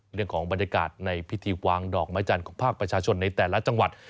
เรื่องของบรรยากาศในพิธีวางดอกม้ายจรรย์ของภาคประชาชนในแต่ละจังหวัด